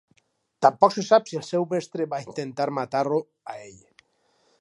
Tampoc se sap si el seu mestre va intentar matar-ho a ell.